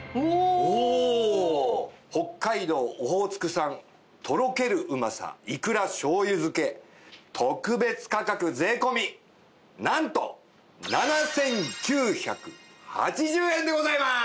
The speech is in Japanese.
北海道オホーツク産とろけるうまさいくら醤油漬け特別価格税込なんと７９８０円でございます！